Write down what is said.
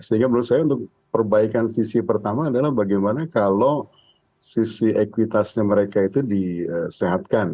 sehingga menurut saya untuk perbaikan sisi pertama adalah bagaimana kalau sisi ekuitasnya mereka itu disehatkan